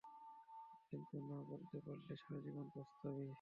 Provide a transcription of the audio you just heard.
কিন্তু না বলতে পারলে সারাজীবন পস্তাবি।